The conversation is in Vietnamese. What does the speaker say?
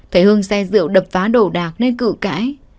phải hưng xe rượu đập phá đổ đạc nên cự cãi